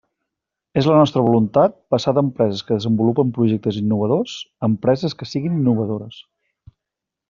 És la nostra voluntat passar d'empreses que desenvolupen projectes innovadors a empreses que siguen innovadores.